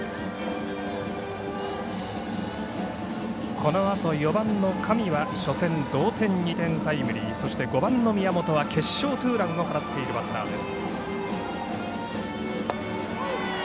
このあと４番の上は初戦、同点２点タイムリーそして５番の宮本は決勝ツーランを放っているバッターです。